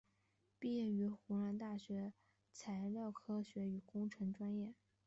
毕业于湖南大学材料科学与工程专业。